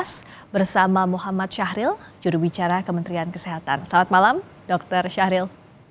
selamat malam pak syahril